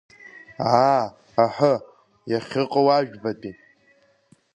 Аа, аҳы, иахьыҟоу, ажәбатәи!